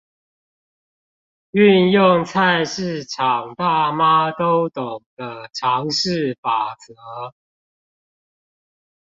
運用菜市場大媽都懂的常識法則